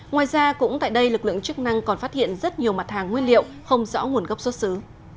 ngoài ra cũng tại đây lực lượng chức năng còn phát hiện rất nhiều mặt hàng nguyên liệu không rõ nguồn gốc xuất xứ